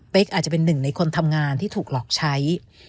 เป็นอาจจะเป็นหนึ่งในคนทำงานที่ถูกหลอกใช้